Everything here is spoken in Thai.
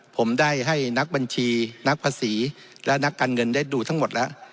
ผมได้ให้นักบัญชีนักภาษีและนักการเงินได้ดูทั้งหมดแล้ว